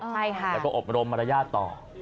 และก็อบรมมารยาทต่อ